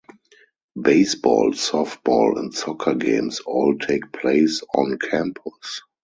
Baseball, softball and soccer games all take place on campus.